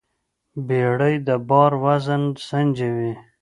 بیړۍ د بار وزن سنجوي.